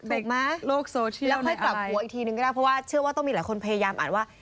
ถูกไหมโลกโซเชียลแล้วค่อยกลับหัวอีกทีนึงก็ได้เพราะว่าเชื่อว่าต้องมีหลายคนพยายามอ่านว่า